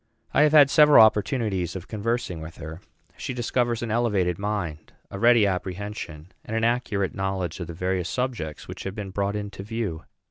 I have had several opportunities of conversing with her. She discovers an elevated mind, a ready apprehension, and an accurate knowledge of the various subjects which have been brought into view.